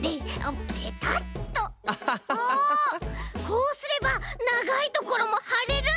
こうすればながいところもはれる！